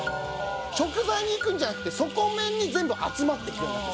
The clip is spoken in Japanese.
食材に行くんじゃなくて底面に全部集まっていくようになってる。